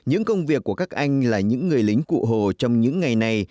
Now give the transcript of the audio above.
những công việc của các anh là những người lính cụ hồ trong những ngày này